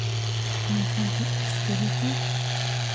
Un Santo Expedito?